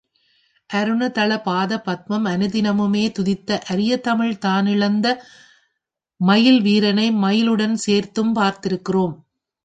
அருணதள பாத பத்மம் அனுதினமுமே துதிக்க அரிய தமிழ் தானளித்த மயில் வீரனை மயிலுடன் சேர்த்தும், பார்த்திருக்கின்றோம்.